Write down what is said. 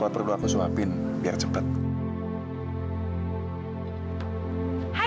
aku gak enak nih nenggalin vino kelamaan